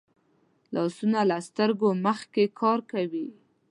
لاسونه له سترګو مخکې کار کوي